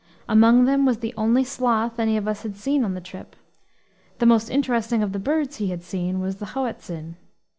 Among them was the only sloth any of us had seen on the trip. The most interesting of the birds he had seen was the hoatzin.